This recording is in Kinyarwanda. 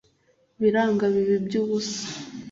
biranga biba iby'ubusa.